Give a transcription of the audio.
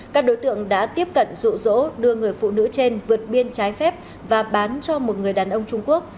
các đối tượng đã tiếp cận rụ rỗ đưa người phụ nữ trên vượt biên trái phép và bán cho một người đàn ông trung quốc